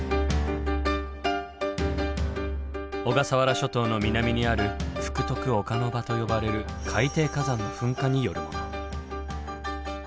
小笠原諸島の南にある福徳岡ノ場と呼ばれる海底火山の噴火によるもの。